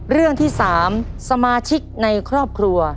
เรื่องที่๓สมาชิกในครอบครัว